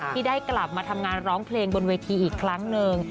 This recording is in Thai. ที่ได้กลับมาทำงานร้องเพลงบนเวทีอีกครั้งหนึ่ง